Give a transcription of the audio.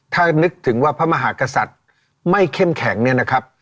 ถ้านึกถึงว่าพระมหากษัตริย์ไม่เข้มแข็งเนี่ยนะครับ